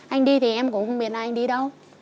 anh đi thì em cũng không biết là anh đi đâu